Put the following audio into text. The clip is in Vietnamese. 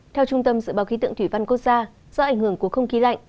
theo trung tâm dự báo khí tượng thủy văn quốc gia do ảnh hưởng của không khí lạnh